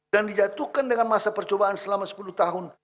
dan dijatuhkan dengan masa percobaan selama sepuluh tahun